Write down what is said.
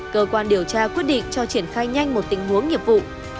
cơ quan điều tra quyết định cho triển khai nhanh một tình huống nghiệp vụ